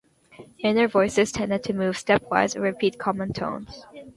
Inner voices tended to move stepwise or repeat common tones.